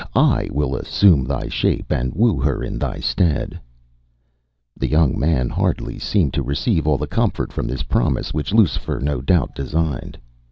I will assume thy shape and woo her in thy stead.” The young man hardly seemed to receive all the comfort from this promise which Lucifer no doubt designed.